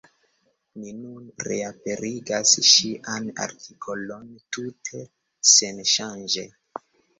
Ni nun reaperigas ŝian artikolon tute senŝanĝe.